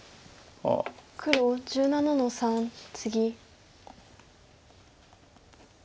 黒１７の三ツギ。